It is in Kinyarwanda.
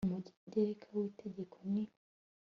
umugereka w itegeko n